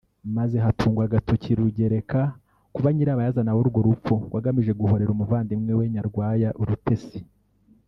maze hatungwa agatoki Rugereka kuba nyirabayazana w’urwo rupfu ngo agamije guhorera umuvandimwe we Nyarwaya Urutesi